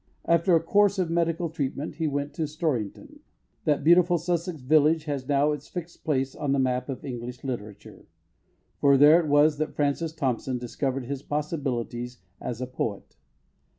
After a course of medical treatment, he went to Storrington. That beautiful Sussex village has now its fixed place on the map of English literature. For there it was that Francis Thompson discovered his possibilities as a poet.